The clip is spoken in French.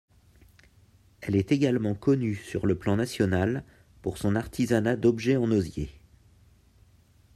Elle est également connue sur le plan national pour son artisanat d'objets en osier.